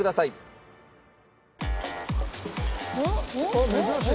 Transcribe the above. あっ珍しい！